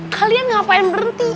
kalian ngapain berhenti